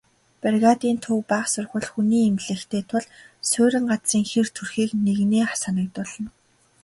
Бригадын төвд бага сургууль, хүний эмнэлэгтэй тул суурин газрын хэр төрхийг нэгнээ санагдуулна.